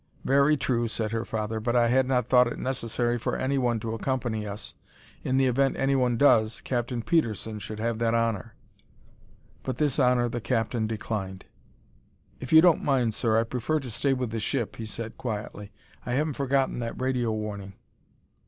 "Very true," said her father, "but I had not thought it necessary for anyone to accompany us. In the event anyone does, Captain Petersen should have that honor." But this honor the captain declined. "If you don't mind, sir, I'd prefer to stay with the ship," he said, quietly. "I haven't forgotten that radio warning."